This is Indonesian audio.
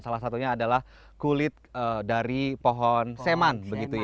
salah satunya adalah kulit dari pohon seman